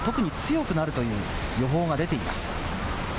特に強くなるという予報が出ています。